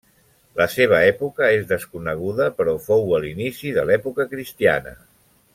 La seva època és desconeguda però fou a l'inici de l'època cristiana.